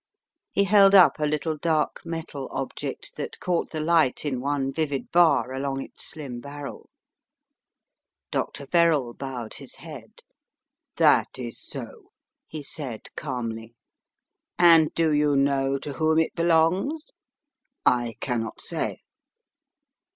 He held up a little dark metal object that caught the light in one vivid bar along its slim barrel. Dr. Verrall bowed his head. " That is so," he said, calmly. "And do you know to whom it belongs?" "I cannot say."